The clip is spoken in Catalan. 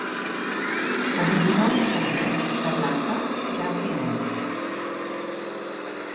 El vint-i-nou de febrer na Blanca irà al cinema.